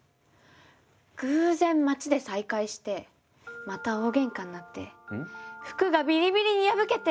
偶然街で再会してまた大げんかになって服がビリビリに破けて。